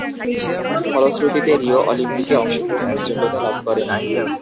ফলশ্রুতিতে রিও অলিম্পিকে অংশগ্রহণের যোগ্যতা লাভ করেন।